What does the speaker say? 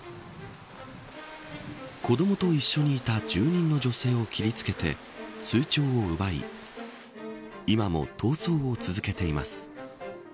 子どもと一緒にいた住人の女性を切り付けて通帳を奪い今も逃走を続けています。